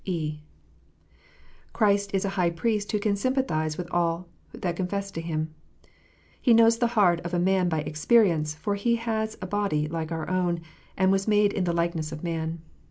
(e) Christ is a High Priest who can sympathize with all that confess to Him. He knows the heart of a man by experience, for He had a body like our own, and was made in the likeness of man.